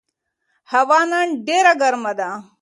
هوا نن ډېره ګرمه ده.